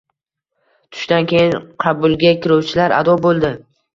Tushdan keyin qabulga kiruvchilar ado bo‘ldi.